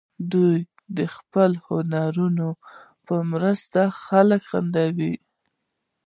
دوی به د خپلو هنرونو په مرسته خلک خندول.